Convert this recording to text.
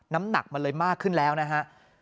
น้ำหนักมันเลยมากขึ้นแล้วนะฮะ